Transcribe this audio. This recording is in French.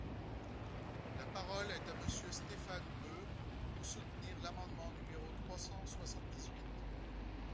La parole est à Monsieur Stéphane Peu, pour soutenir l’amendement numéro trois cent soixante-dix-huit.